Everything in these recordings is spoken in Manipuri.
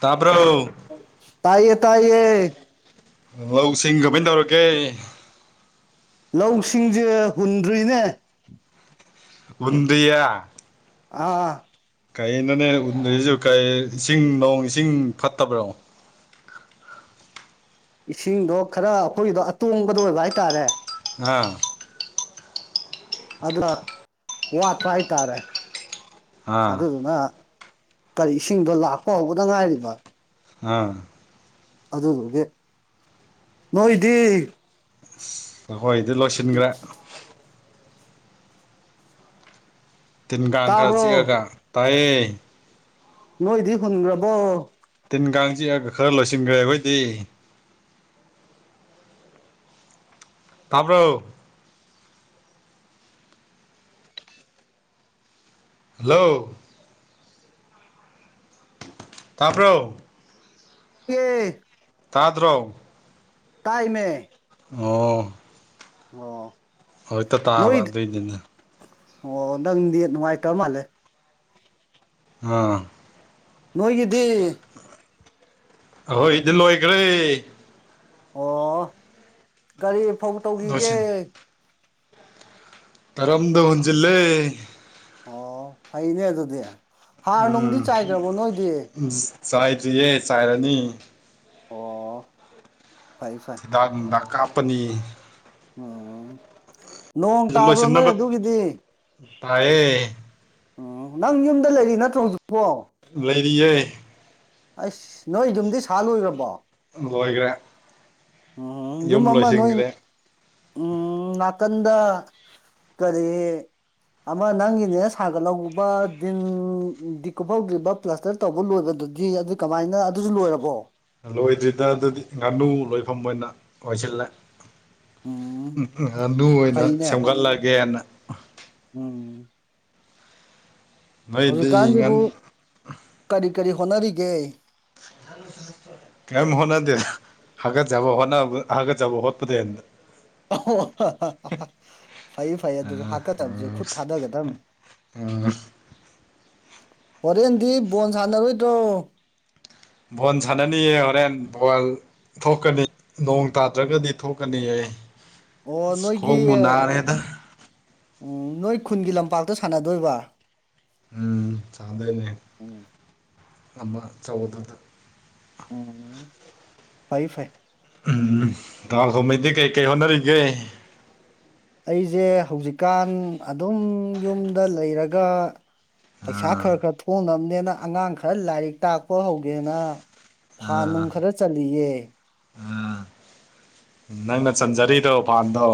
ꯇꯥꯕ꯭ꯔꯣ ꯇꯥꯏꯌꯦ ꯇꯥꯏꯌꯦ ꯂꯧꯁꯤꯡ ꯀꯃꯥꯏꯅ ꯇꯧꯔꯒꯦ ꯂꯧꯁꯤꯡꯁꯦ ꯍꯨꯟꯗ꯭ꯔꯤꯅꯦ ꯍꯨꯟꯗ꯭ꯔꯤꯅꯦ ꯑꯥ ꯀꯩꯅꯣꯅꯦ ꯍꯨꯟꯗ꯭ꯔꯤꯁꯤꯕꯨ ꯀꯩ ꯏꯁꯤꯡ ꯅꯣꯡ ꯏꯁꯤꯡ ꯐꯠꯇꯕ꯭ꯔꯣ ꯏꯁꯤꯡꯗꯣ ꯈꯔ ꯑꯩꯈꯣꯏꯒꯤꯗꯣ ꯑꯇꯣꯡꯕꯗꯣ ꯑꯣꯏꯕ ꯍꯥꯏꯇꯥꯔꯦ ꯍꯥ ꯑꯗꯨ ꯋꯥꯠꯄ ꯍꯥꯏꯇꯥꯔꯦ ꯑꯥ ꯑꯗꯨꯗꯨꯅ ꯏꯁꯤꯡꯗꯣ ꯂꯥꯛꯄ ꯍꯧꯕꯗ ꯉꯥꯏꯔꯤꯕ ꯑꯥ ꯑꯗꯨꯕꯨꯗꯤ ꯅꯣꯏꯗꯤ ꯑꯈꯣꯏꯗꯤ ꯂꯣꯏꯁꯤꯟꯈ꯭ꯔꯦ ꯇꯤꯟ ꯀꯥꯡ ꯈꯔ ꯇꯥꯕ꯭ꯔꯣ ꯆꯤꯛꯑꯒ ꯇꯥꯏꯑꯌꯦ ꯅꯣꯏꯗꯤ ꯍꯨꯟꯈ꯭ꯔꯕꯣ ꯇꯤꯟ ꯀꯥꯡ ꯆꯤꯛꯑꯒ ꯈꯔ ꯂꯣꯏꯁꯤꯟꯈ꯭ꯔꯦ ꯑꯩꯈꯣꯏꯗꯤ ꯇꯥꯕ꯭ꯔꯣ ꯍꯜꯂꯣ ꯇꯥꯄ꯭ꯔꯣ ꯑꯦ ꯇꯥꯗ꯭ꯔꯣ ꯇꯥꯏꯃꯦ ꯑꯣ ꯑꯣ ꯍꯧꯖꯤꯛꯇ ꯅꯣꯏ ꯇꯥꯕ ꯑꯗꯨꯏꯅꯦ ꯑꯣ ꯅꯪ ꯅꯦꯠ ꯅꯨꯡꯉꯥꯏꯇ ꯃꯥꯜꯂꯦ ꯑꯥ ꯅꯣꯏꯒꯤꯗꯤ ꯑꯍꯣꯏ ꯏꯗꯤ ꯂꯣꯏꯈ꯭ꯔꯦ ꯑꯣ ꯀꯔꯤ ꯐꯧ ꯇꯧꯈꯤꯒꯦ ꯂꯣꯏꯁꯤꯟ ꯇꯔꯝꯗꯍꯟꯁꯤꯜꯂ ꯂꯩ ꯑꯣ ꯐꯩꯅꯦ ꯑꯗꯨꯗꯤ ꯍꯥꯔ ꯅꯨꯡꯗꯤ ꯎꯝ ꯆꯥꯏꯈ꯭ꯔꯕꯣ ꯅꯣꯏꯗꯤ ꯆꯥꯏꯗ꯭ꯔꯤꯌꯦ ꯆꯥꯏꯔꯅꯤ ꯑꯣ ꯐꯥꯏ ꯐꯥꯏ ꯗ ꯀꯥꯞꯄꯅꯤ ꯑꯣꯝ ꯂꯣꯏꯁꯤ ꯅꯕ ꯇꯥꯏꯌꯦꯦ ꯑꯣ ꯅꯪ ꯌꯨꯝꯗ ꯂꯩꯔꯤ ꯅꯠꯇ꯭ꯔꯣ ꯍꯧꯖꯤꯛꯕꯣ ꯂꯩꯔꯤꯌꯦꯩ ꯑꯁ ꯅꯣꯏ ꯌꯨꯝꯗꯤ ꯁꯥ ꯂꯣꯏ꯭ꯔꯕꯣ ꯣꯏꯒ꯭ꯔꯦ ꯎꯝ ꯌꯨꯝ ꯑꯃ ꯅꯣꯏ ꯎꯝ ꯅꯥꯀꯟꯗ ꯀꯔꯤ ꯑꯃ ꯅꯪꯒꯤꯅꯦ ꯁꯥꯒꯠꯍꯧꯕ ꯟ ꯗꯤꯀꯣ ꯐꯧꯗ꯭ꯔꯤꯕ ꯀ꯭ꯂꯁꯇꯔ ꯇꯧꯕ ꯂꯣꯏꯕꯗꯨꯗꯤ ꯑꯗꯨ ꯀꯃꯥꯏꯅ ꯑꯗꯨꯁꯨ ꯂꯣꯏꯔꯕꯣ ꯂꯣꯏꯗ꯭ꯔꯤꯗ ꯑꯗꯨꯗꯤ ꯉꯥꯅꯨ ꯂꯣꯏꯐꯝ ꯑꯣꯏꯅ ꯑꯣꯏꯁꯤꯜꯂꯦ ꯎꯝ ꯑꯗꯨ ꯑꯣꯏꯅ ꯐꯩꯅꯦ ꯁꯦꯝꯒꯠꯂꯒꯦꯅ ꯎꯝ ꯅꯣꯏꯗꯤ ꯉꯟ ꯍꯧꯖꯤꯛꯀꯥꯟꯁꯤꯕꯨ ꯀꯔꯤ ꯀꯔꯤ ꯍꯣꯠꯅꯔꯤꯒꯦ ꯍ ꯀꯩꯝ ꯍꯣꯠꯅꯗꯦ ꯍꯥꯏꯒꯠꯖꯕ ꯍꯣꯠ ꯍꯥꯏꯒꯠ ꯖꯕ ꯍꯣꯠꯄꯗꯅ ꯐꯩ ꯐꯩ ꯑꯗꯨꯁꯨ ꯍꯥꯀꯗꯕꯁ ꯈꯨꯠ ꯊꯥꯗꯒꯗꯕ ꯎ ꯍꯣꯔꯦꯟꯗꯤ ꯕꯣꯣꯟ ꯁꯥꯟꯅꯔꯣꯏꯗ꯭ꯔꯣ ꯚꯣꯟ ꯁꯥꯟꯅꯤ ꯍꯣꯔꯦꯟ ꯜ ꯊꯣꯛꯀꯅꯤ ꯅꯣꯡ ꯇꯥꯗ꯭ꯔꯒꯗꯤ ꯊꯣꯛꯀꯅꯤ ꯑꯩ ꯑꯣ ꯑꯁ ꯅꯣꯏꯒꯤ ꯀꯣꯣꯡꯕꯨꯟꯅꯔꯦꯗ ꯎꯝ ꯅꯣꯏ ꯈꯨꯟꯒꯤ ꯂꯝꯄꯥꯛꯇ ꯁꯥꯟꯅꯗꯣꯏꯕ ꯎꯝ ꯆꯥꯟꯗꯅꯦ ꯎꯝ ꯑꯃꯝꯕ ꯆꯒꯗ꯭ꯔꯗ ꯎꯝ ꯐꯥꯏ ꯐꯥꯏ ꯎꯝ ꯥꯜꯈꯣꯡꯍꯩꯗꯤ ꯀꯩ ꯀꯩ ꯍꯣꯠꯅꯔꯤꯒꯦ ꯑꯩꯁꯦ ꯍꯧꯖꯤꯛꯀꯥꯟ ꯑꯗꯨꯝ ꯌꯨꯝꯗ ꯂꯩꯔꯒ ꯄꯩꯁꯥ ꯑꯥ ꯈꯔ ꯈꯔ ꯊꯣꯡꯅꯕꯅꯦꯅ ꯑꯉꯥꯡ ꯈꯔ ꯂꯥꯏꯔꯤꯛ ꯇꯥꯛꯄ ꯍꯧꯒꯦꯅ ꯐꯥꯟ ꯑꯥ ꯅꯨꯡ ꯈꯔ ꯆꯜꯂꯤꯌꯦ ꯅꯪꯅ ꯆꯟꯖꯔꯤꯔꯣ ꯐꯟꯗꯣ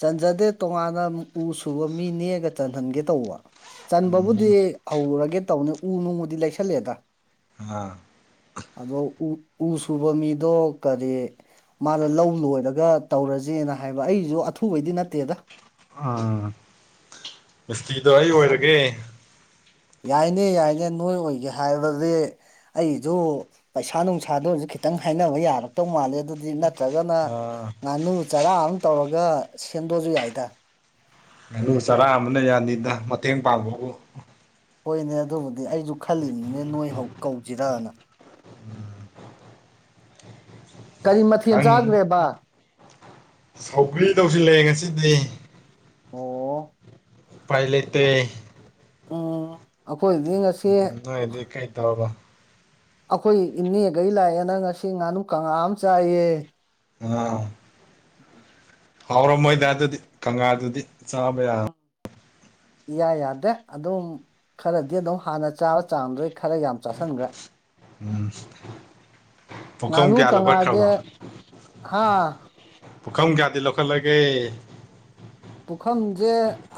ꯆꯟꯖꯗꯦ ꯇꯣꯉꯥꯟꯅ ꯎ ꯁꯨꯕ ꯃꯤ ꯅꯦꯛꯒ ꯆꯟꯍꯟꯒꯦ ꯇꯧꯕ ꯆꯟꯕꯕꯨꯗꯤ ꯎꯝ ꯍꯧꯔꯒꯦ ꯇꯧꯅꯦ ꯎ ꯅꯣꯡꯕꯨꯗꯤ ꯂꯩꯁꯜꯂꯦꯗ ꯑꯥ ꯑꯗꯣ ꯎ ꯁꯨꯕ ꯃꯤꯗꯣ ꯀꯔꯤ ꯃꯥꯅ ꯂꯧ ꯂꯣꯏꯔꯒ ꯇꯧꯔꯁꯦꯅ ꯍꯥꯏꯕ ꯑꯩꯁꯨ ꯑꯊꯨꯕꯩꯗꯤ ꯅꯠꯇꯦꯗ ꯎꯝ ꯃꯤꯁꯇ꯭ꯔꯤꯗꯣ ꯑꯩ ꯑꯣꯏꯔꯒꯦ ꯌꯥꯏꯅꯦ ꯌꯥꯏꯅꯦ ꯅꯣꯏ ꯑꯣꯏꯒꯦ ꯍꯥꯏꯕꯗꯤ ꯑꯩꯒꯤꯗꯣ ꯄꯩꯁꯥ ꯅꯨꯡꯁꯥꯗꯣ ꯑꯣꯏꯔꯁꯨ ꯈꯤꯇꯪ ꯍꯥꯏꯅꯕ ꯌꯥꯔꯛꯇꯧ ꯃꯥꯜꯂꯦ ꯑꯗꯨ ꯅꯠꯇ꯭ꯔꯒꯅ ꯑꯥ ꯉꯥꯅꯨ ꯆꯔꯥ ꯑꯃ ꯇꯧꯔꯒ ꯁꯦꯝꯗꯣꯛꯁꯨ ꯌꯥꯏꯗ ꯉꯥꯅꯨ ꯆꯔꯥ ꯑꯃꯅ ꯌꯥꯅꯤꯗ ꯃꯇꯦꯡ ꯄꯥꯡꯕꯕꯨ ꯍꯣꯏꯅꯦ ꯑꯗꯨꯕꯨꯗꯤ ꯑꯩꯁꯨ ꯈꯜꯂꯤꯅꯤꯅꯦ ꯅꯣꯏ ꯍꯧ ꯀꯧꯁꯤꯔꯅ ꯀꯔꯤ ꯃꯊꯦꯜ ꯈꯪ ꯆꯥꯈ꯭ꯔꯦꯕ ꯁꯧꯒ꯭ꯔꯤ ꯇꯧꯁꯤꯜꯂꯑꯦ ꯉꯁꯤꯗꯤ ꯑꯣ ꯄꯥꯏꯂ ꯇ ꯎꯝ ꯑꯩꯈꯣꯏꯗꯤ ꯉ ꯎꯝ ꯅꯣꯏꯗꯤ ꯀꯩ ꯇꯧꯔꯕ ꯑꯩꯈꯣꯏ ꯏꯅꯦꯒꯩ ꯂꯥꯛꯑꯦꯅ ꯉꯁꯤ ꯉꯥꯅꯨ ꯀꯥꯡꯉꯥ ꯑꯃ ꯆꯥꯏꯌꯦ ꯑ ꯎꯝ ꯍꯥꯎꯔꯝꯃꯣꯏꯗ ꯑꯗꯨꯗꯤ ꯀꯪꯂꯥꯗꯨꯗꯤ ꯆꯥꯕ ꯌꯥ ꯎꯝ, ꯏꯌꯥ ꯌꯥꯗꯦ ꯑꯗꯨꯝ ꯈꯔꯗꯤ ꯑꯗꯨꯝ ꯍꯥꯟꯅ ꯆꯥꯕ ꯆꯥꯡꯗꯩ ꯈꯔ ꯌꯥꯝ ꯆꯥꯁꯤꯟꯈ꯭ꯔꯦ ꯎꯝ ꯄꯨꯈꯝ ꯉꯥꯅꯨ ꯀꯌꯥ ꯀꯪꯉꯥꯁꯦ ꯂꯧꯈꯠꯈ꯭ꯔꯕ ꯍꯥ ꯄꯨꯈꯝ ꯀꯌꯥꯗꯤ ꯂꯧꯈꯠꯂꯒꯦ ꯄꯨꯈꯝꯖꯦ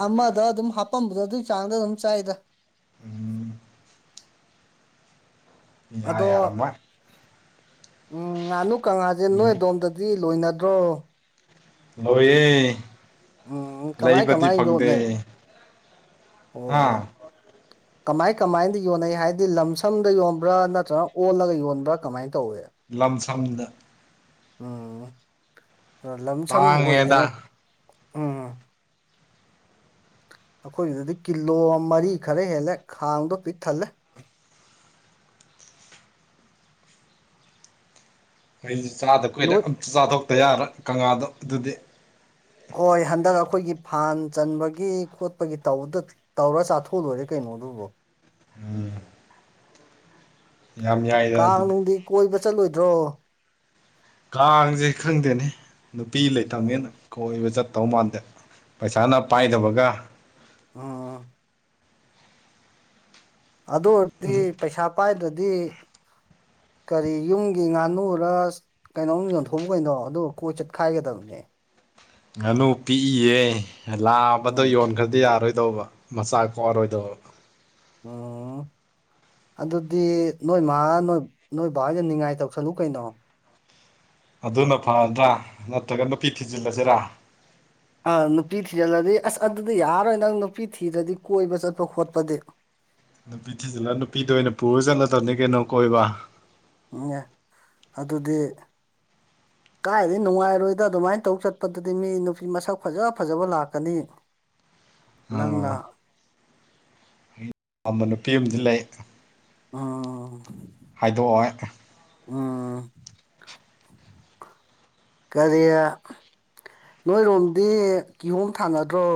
ꯑꯃꯗ ꯑꯗꯨꯝ ꯍꯥꯞꯄꯝꯕꯗꯣ ꯑꯗꯨ ꯆꯥꯡꯗ ꯑꯗꯨꯝ ꯆꯥꯏꯗ ꯎꯝ ꯏꯌꯥ ꯑꯗꯣ ꯌꯥꯔꯝꯃꯣꯏ ꯎꯝ ꯉꯥꯅꯨ ꯀꯥꯡꯉꯥꯖꯦ ꯅꯣꯏ ꯎꯝ ꯑꯗꯣꯝꯗ ꯗꯤ ꯂꯣꯏꯅꯗ꯭ꯔꯣ ꯂꯣꯏꯌꯦ ꯎꯝ ꯀꯃꯥꯏ ꯂꯩꯕꯗꯤ ꯀꯃꯥꯏ ꯐꯪꯗꯦ ꯌꯣꯟꯅꯩ ꯍꯥ ꯑꯣ [unintelligible] ꯀꯃꯥꯏ ꯀꯃꯥꯏꯗꯤ ꯌꯣꯟꯅꯩ ꯍꯥꯏꯗꯤ ꯂꯝꯁꯝꯗ ꯌꯣꯟꯕ꯭ꯔꯥ ꯅꯠꯇ꯭ꯔ ꯑꯣꯜꯂꯒ ꯌꯣꯟꯕ꯭ꯔꯥ ꯀꯃꯥꯏꯅ ꯇꯧꯏ ꯂꯝꯁꯝꯗ ꯎꯝ ꯑ ꯂꯝꯁꯝ ꯑꯣꯏꯅꯦ ꯇꯥꯡꯉꯦꯗ ꯎꯝ ꯑꯩꯈꯣꯏꯒꯤꯗꯨꯗꯤ ꯀꯤꯂꯣ ꯃꯔꯤ ꯈꯔ ꯍꯦꯜꯂꯦ ꯈꯥꯡꯗꯣ ꯄꯤꯛ ꯊꯜꯂꯦ ꯑꯩꯩꯁꯨ ꯆꯥꯗ ꯀꯨꯏꯔꯦ ꯅꯣꯏ ꯑꯝ ꯆꯥꯊꯣꯛꯇ ꯌꯥꯔꯣꯏ ꯀꯥꯡꯉꯥꯗꯣ ꯑꯗꯨꯗꯤ ꯍꯣꯏ ꯍꯟꯗꯛ ꯑꯩꯈꯣꯏꯒꯤ ꯐꯥꯟ ꯆꯟꯕꯒꯤ ꯈꯣꯠꯄꯒꯤ ꯇꯧꯕꯗ ꯇꯧꯔ ꯆꯥꯊꯣꯛꯑꯥ ꯂꯣꯏꯔꯦ ꯀꯩꯅꯣ ꯑꯗꯨꯕꯣ ꯎꯝ ꯑꯗꯨꯗꯤ ꯀꯥꯡꯅꯨꯡꯗꯤ ꯀꯣꯏꯕ ꯆꯠꯂꯣꯏꯗ꯭ꯔꯣ ꯀꯥꯡꯁꯦ ꯈꯪꯗꯦꯅꯦ ꯅꯨꯄꯤ ꯎꯝ ꯂꯩꯇꯕꯅꯤꯅ ꯀꯣꯏꯕ ꯆꯠꯇꯧ ꯃꯥꯟꯗꯦ ꯄꯩꯁꯥꯅ ꯑꯦ ꯄꯥꯏꯗꯕꯒ ꯎꯝ ꯑꯗꯨ ꯑꯣꯏꯗꯤ ꯄꯩꯁꯥ ꯄꯥꯏꯗ꯭ꯔꯗꯤ ꯀꯔꯤ ꯌꯨꯝꯒꯤ ꯉꯥꯅꯨꯔ ꯀꯩꯅꯣꯝ ꯌꯣꯟꯊꯣꯛꯎ ꯀꯩꯅꯣ ꯑꯗꯨꯒ ꯀꯣꯏ ꯆꯠꯈꯥꯏꯒꯗꯕꯅꯦ ꯉꯥꯅꯨ ꯄꯤꯛꯏꯌꯦ ꯂꯥꯕꯗꯣ ꯎꯝ ꯌꯣꯟꯈ꯭ꯔꯗꯤ ꯌꯥꯔꯣꯏ ꯀꯩꯗꯧꯕ ꯃꯆꯥ ꯄꯣꯀꯥꯑꯥꯔꯣꯏꯗꯕ ꯑꯣ ꯑꯗꯨꯗꯤ ꯅꯣꯏ ꯃꯥ ꯅꯣꯏ ꯅꯣꯏ ꯕꯥ ꯍꯣꯏꯗꯥ ꯅꯤꯡꯉꯥꯏ ꯇꯧꯁꯜꯂꯨ ꯀꯩꯅꯣ ꯑꯗꯨꯅ ꯐꯔꯗ꯭ꯔꯥ ꯅꯠꯇ꯭ꯔꯒ ꯅꯨꯄꯤ ꯊꯤꯖꯤꯜꯂꯁꯤꯔꯥ ꯑꯥ ꯅꯨꯄꯤ ꯊꯤꯖꯤꯜꯂꯗꯤ ꯑꯁ ꯑꯗꯨꯗꯤ ꯌꯥꯔꯣꯏ ꯅꯪ ꯅꯨꯄꯤ ꯊꯤꯔꯗꯤ ꯀꯣꯏꯕ ꯆꯠꯄ ꯈꯣꯠꯄꯗꯤ ꯅꯨꯄꯤ ꯊꯤꯖꯤꯜꯂ ꯅꯨꯄꯤꯗꯣ ꯑꯣꯏꯅ ꯄꯨꯔ ꯆꯠꯂꯗꯕꯅꯤ ꯀꯩꯅꯣ ꯀꯣꯏꯕ [unintelligible] ꯑꯗꯨꯗꯤ [inaudible] ꯀꯥꯏꯗꯩ ꯅꯨꯡꯉꯥꯏꯔꯣꯏꯗ ꯑꯗꯨꯃꯥꯏ ꯇꯧ ꯆꯠꯄꯗꯨꯗꯤ ꯃꯤ ꯅꯨꯄꯤ ꯃꯁꯛ ꯐꯖ ꯐꯖꯕ ꯂꯥꯛꯀꯅꯤ ꯅꯪꯅ ꯑꯥ ꯄꯥꯝꯕꯥ ꯅꯨꯄꯤ ꯑꯃꯗꯤ ꯂꯩ ꯑꯣ ꯍꯥꯏꯗꯣꯛ ꯑꯣꯏ ꯀꯔꯤ ꯅꯣꯏꯔꯣꯝꯗꯤ ꯀꯤꯍꯣꯝ ꯊꯥꯅꯗ꯭ꯔꯣ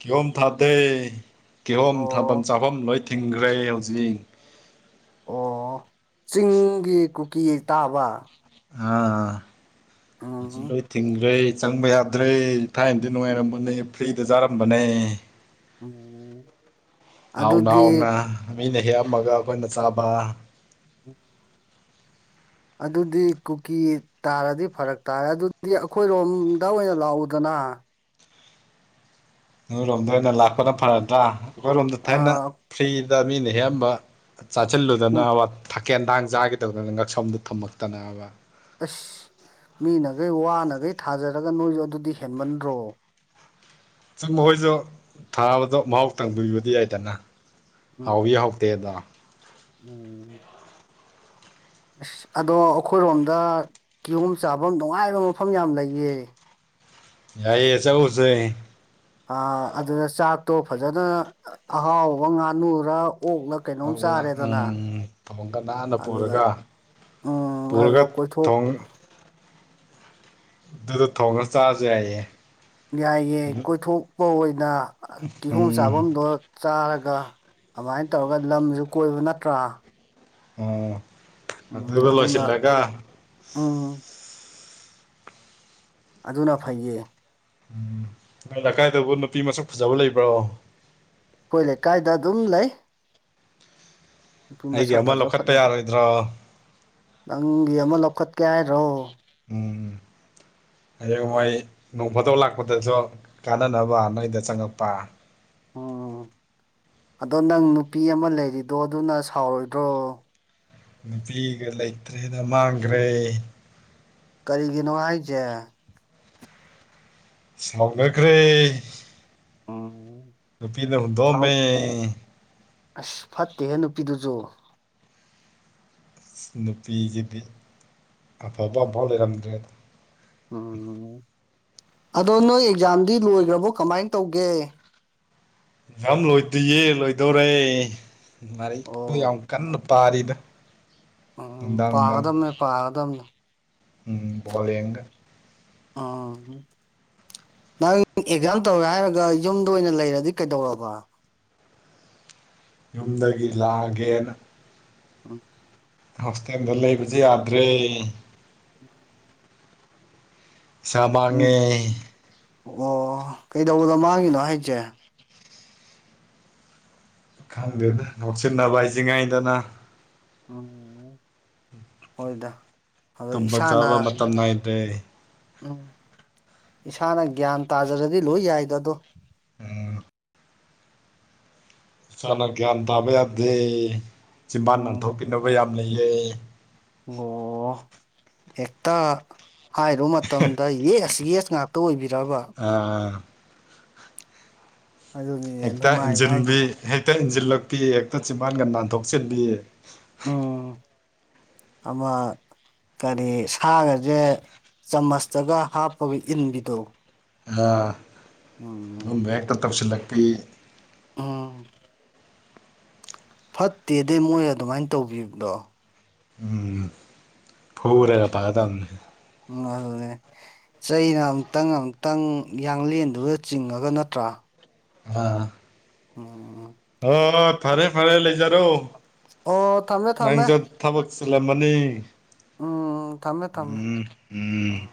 ꯀꯤꯍꯣꯝ ꯊꯥꯗꯦ ꯀꯤꯍꯣꯝ ꯊꯥꯐꯝ ꯑꯣ ꯆꯥꯐꯝ ꯂꯣꯏ ꯊꯤꯡꯈ꯭ꯔꯦ ꯍꯧꯖꯤꯛ ꯑꯣ ꯆꯤꯡꯒꯤ ꯀꯨꯀꯤ ꯇꯥꯕ ꯑꯥ ꯍꯧꯖꯤꯛ ꯎꯝ ꯂꯣꯏ ꯊꯤꯡꯈ꯭ꯔꯦ ꯆꯪꯕ ꯌꯥꯗ꯭ꯔꯦ ꯊꯥꯏꯅꯗꯤ ꯅꯨꯡꯉꯥꯏꯔꯝꯕꯅꯦ ꯐ꯭ꯔꯤꯗ ꯆꯥꯔꯝꯕꯅꯦ ꯎꯝ ꯍꯥꯎꯅ ꯑꯗꯨꯗꯤ ꯍꯥꯎꯅ ꯃꯤꯅ ꯍꯦꯛꯑꯝꯃꯒ ꯑꯩꯈꯣꯏꯅ ꯆꯥꯕ ꯑꯗꯨꯗꯤ ꯀꯨꯀꯤ ꯇꯥꯔꯗꯤ ꯐꯔꯛ ꯇꯥꯔꯦ ꯑꯗꯨꯗꯤ ꯑꯩꯈꯣꯏꯔꯣꯝꯗ ꯑꯣꯏꯅ ꯂꯥꯛꯎꯗꯅ ꯅꯣꯏꯔꯣꯝꯗ ꯑꯣꯏꯅ ꯂꯥꯛꯄꯅ ꯐꯔꯗ꯭ꯔꯥ ꯑꯩꯈꯣꯏꯔꯣꯝꯗ ꯊꯥꯏꯅ ꯑꯥ ꯐ꯭ꯔꯤꯗ ꯃꯤꯅ ꯍꯦꯛꯑꯝꯕ ꯎꯝ ꯆꯥꯁꯤꯜꯂꯨꯗꯅꯕ ꯊꯀꯦꯟ ꯊꯥꯡ ꯆꯥꯒꯦꯗꯧꯗꯅ ꯉꯛꯁꯣꯝꯗꯨ ꯊꯝꯂꯛꯇꯅꯕ ꯑꯁ ꯃꯤꯅꯒꯩ ꯋꯥꯅꯒꯩ ꯊꯥꯖꯔꯒ ꯅꯣꯏꯁꯨ ꯑꯗꯨꯗꯤ ꯍꯦꯟꯃꯟꯗ꯭ꯔꯣ ꯆꯨꯝ ꯃꯈꯣꯏꯁꯨ ꯊꯥꯕꯗꯣ ꯃꯍꯥꯎ ꯇꯪꯕꯤꯕꯗꯤ ꯌꯥꯏꯗꯅ ꯍꯥꯎꯋꯤ ꯎꯝ ꯍꯥꯎꯇꯦꯗꯣ ꯎꯝ ꯑꯁ ꯑꯗꯣ ꯑꯩꯈꯣꯏꯔꯣꯝꯗ ꯀꯤꯌꯣꯝ ꯆꯥꯐꯝ ꯅꯨꯡꯉꯥꯏꯕ ꯃꯐꯝ ꯌꯥꯝ ꯂꯩꯌꯦ ꯌꯥꯏꯌꯦ ꯆꯧꯖꯦ ꯑꯗꯨꯗ ꯆꯥꯛꯇꯣ ꯐꯖꯗꯅ ꯑꯍꯥꯎꯕ ꯉꯥꯅꯨꯔ ꯑꯣꯛꯂ ꯀꯩꯅꯣꯝ ꯆꯥꯔꯦꯗꯅ [unintelligible] ꯅꯥꯟꯅ ꯑꯗꯨꯗ ꯄꯨꯔꯒ ꯎꯝ ꯄꯨꯔꯒ ꯑꯗꯨꯒ ꯀꯣꯏꯊꯣꯛ ꯊꯣꯡ ꯑꯗꯨꯗ ꯊꯣꯡꯉꯒ ꯆꯥꯔꯖꯨ ꯍꯥꯏꯌꯦ ꯌꯥꯏꯌꯦ ꯀꯣꯏꯊꯣꯛꯄ ꯑꯣꯏꯅ ꯀꯤꯍꯣꯝ ꯎꯝ ꯆꯥꯕꯝꯗꯣ ꯆꯥꯔꯒ ꯑꯗꯨꯃꯥꯏꯅ ꯇꯧꯔꯒ ꯂꯝꯁꯨ ꯀꯣꯏꯕ ꯅꯠꯇ꯭ꯔꯥ ꯎꯝ ꯎꯝ ꯑꯗꯨꯅ ꯎꯝ ꯑꯗꯨꯅ ꯐꯩꯌꯦ ꯎꯝ ꯅꯣꯏ ꯂꯩꯀꯥꯏꯗꯕꯨ ꯅꯨꯄꯤ ꯃꯁꯛ ꯐꯖꯕ ꯂꯩꯕ꯭ꯔꯣ ꯑꯩꯈꯣꯏ ꯂꯩꯀꯥꯏꯗ ꯑꯗꯨꯝ ꯂꯩ ꯅꯨꯄꯤ ꯑꯩꯒꯤ ꯃꯁꯛ ꯑꯃ ꯐꯖ ꯂꯧꯈꯠꯄ ꯐꯖꯕ ꯌꯥꯔꯣꯏꯗ꯭ꯔꯣ ꯅꯪꯒꯤ ꯑꯃ ꯂꯧꯈꯠꯀꯦ ꯍꯥꯏꯔꯣ ꯎꯝ ꯍꯌꯦꯋꯥꯏ ꯅꯣꯡ ꯐꯥꯇꯣꯛ ꯂꯥꯛꯄꯗꯁꯨ ꯀꯥꯟꯅꯅꯕ ꯅꯣꯏꯗ ꯆꯪꯉꯛꯄ ꯑꯣ ꯑꯗꯣ ꯅꯪ ꯅꯨꯄꯤ ꯑꯃ ꯂꯩꯔꯤꯗꯣ ꯑꯗꯨꯅ ꯁꯥꯎꯔꯣꯏꯗ꯭ꯔꯣ ꯅꯨꯄꯤꯒ ꯂꯩꯇ꯭ꯔꯦꯗ ꯃꯥꯡꯒ꯭ꯔꯦ ꯀꯔꯤꯒꯤꯅꯣ ꯍꯥꯏꯖꯦ ꯁꯥꯎꯅꯒ꯭ꯔꯦ ꯎꯝ ꯅꯨꯄꯤꯅ ꯍꯨꯟꯗꯣꯛꯑꯝꯃꯦ ꯁꯥꯎ ꯑꯁ ꯐꯠꯇꯦꯍꯦ ꯅꯨꯄꯤꯗꯨꯁꯨ ꯅꯨꯄꯤꯖꯤꯗꯤ ꯑꯐꯕ ꯑꯃꯐꯥꯎ ꯂꯩꯔꯝꯗ꯭ꯔꯦꯗ ꯎꯝ ꯑꯗꯣ ꯅꯣꯏ ꯑꯦꯛꯖꯥꯝꯗꯤ ꯂꯣꯏꯒ꯭ꯔꯕꯣ ꯀꯃꯥꯏꯅ ꯇꯧꯒꯦ ꯑꯦꯛꯖꯝ ꯂꯣꯏꯗꯤꯌꯦ ꯂꯣꯏꯗꯧꯔꯦ [unintelligible] ꯌꯥꯝ ꯑꯣ ꯀꯟꯅ ꯄꯥꯔꯤꯗ ꯎꯝ ꯅꯨꯡꯗꯥꯡ ꯅꯨꯡꯗꯥꯡ ꯄꯥꯒꯗꯝꯕꯅꯦ ꯄꯥꯒꯗꯝꯕꯅꯦ ꯎꯝ ꯕꯣꯜ ꯌꯦꯡꯒꯦ ꯎꯝ ꯅꯪ ꯑꯦꯛꯖꯥꯝ ꯇꯧꯔꯦ ꯍꯥꯏꯔꯒ ꯌꯨꯝꯗ ꯑꯣꯏꯅ ꯂꯩꯔꯗꯤ ꯀꯩꯗꯧꯔꯕ ꯌꯨꯝꯗꯒꯤ ꯂꯥꯛꯑꯒꯦꯅ ꯎꯝ ꯍꯣꯁꯇꯦꯜꯗ ꯂꯩꯕꯁꯦ ꯌꯥꯗ꯭ꯔꯦ ꯎꯝ ꯁꯥꯃꯥꯡꯉꯦ ꯑꯣ ꯀꯩꯗꯧꯕꯗꯣ ꯃꯥꯡꯉꯤꯅꯣ ꯑꯩꯁꯦ ꯈꯪꯗꯦꯗ ꯉꯣꯛꯁꯤꯟꯅꯕ ꯍꯥꯏꯁꯤ ꯁꯤꯉꯥꯏꯗꯅ ꯎꯝ ꯍꯣꯏꯗ ꯑꯗꯣ ꯇꯨꯝꯕ ꯏꯁꯥꯅ ꯆꯥꯕ ꯃꯇꯝ ꯅꯥꯏꯗ꯭ꯔꯦ ꯎꯝ ꯏꯁꯥꯅ ꯒ꯭ꯌꯥꯟ ꯇꯥꯖꯔꯗꯤ ꯂꯣꯏ ꯌꯥꯏꯗ ꯑꯗꯣ ꯎꯝ ꯏꯁꯥꯅ ꯒ꯭ꯌꯥꯟ ꯇꯥꯕ ꯌꯥꯗꯦ ꯁꯤꯃꯥꯟ ꯎꯝ ꯅꯥꯟꯊꯣꯛꯄꯤꯅꯕ ꯌꯥꯝ ꯂꯩꯌꯦ ꯑꯣ ꯍꯇ ꯍꯥꯏꯔꯨ ꯃꯇꯝꯗ ꯌꯦ ꯑꯁꯤ ꯌꯦꯁ ꯉꯥꯛꯇ ꯑꯣꯏꯕꯤꯔꯕ ꯑꯥ ꯑꯗꯨꯅꯤꯅꯦ ꯍꯦꯛꯇ ꯅꯨꯡꯉꯥꯏꯕ ꯍꯥꯏꯁꯦ ꯏꯟꯁꯤꯟꯕꯤ ꯍꯦꯛꯇ ꯏꯟꯁꯤꯜꯂꯛꯄꯤ ꯍꯦꯛꯇ ꯆꯤꯝꯕꯥꯥꯟꯒ ꯅꯥꯟꯊꯣꯛꯆꯤꯟꯕꯤ [inaudible] ꯑꯃꯃ ꯀꯔꯤ ꯁꯥꯒꯁꯦ ꯆꯥꯃꯁꯇꯒ ꯍꯥꯞꯄꯒ ꯏꯟꯕꯤꯗꯣ ꯎꯝ ꯑꯗꯨꯨꯝꯕ ꯍꯦꯛꯇ ꯇꯧꯁꯤꯜꯂꯛꯄꯤ ꯎꯝ ꯐꯠꯇꯦꯗ ꯃꯣꯏ ꯑꯗꯨꯃꯥꯏꯅ ꯇꯧꯕꯤꯕꯗꯣ ꯎ ꯐꯨꯔꯒꯥ ꯐꯒꯗꯕꯅꯤ ꯎꯝꯗ ꯆꯩꯅ ꯑꯃꯨꯛꯇꯪ ꯑꯃꯨꯛꯇꯪ ꯌꯥꯡꯂꯦꯟꯗꯨꯗ ꯆꯤꯡꯉꯒ ꯅꯠꯇ꯭ꯔꯥ ꯑ ꯎꯝ ꯍ ꯐꯔꯦ ꯐꯔꯦ ꯂꯩꯖꯔꯣ ꯑꯣ ꯊꯝꯃꯦ ꯊꯝꯃꯦ ꯊꯕꯛꯁꯤꯂ ꯑꯃꯅꯤꯅꯤ ꯎꯝ ꯊꯝꯃꯦ ꯊꯝꯃꯦ ꯎꯝ